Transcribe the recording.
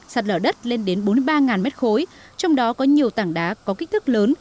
sạt lở đất lên đến bốn mươi ba mét khối trong đó có nhiều tảng đá có kích thước lớn